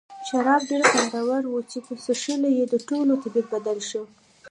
شراب ډېر خوندور وو چې په څښلو یې د ټولو طبیعت بدل کړ.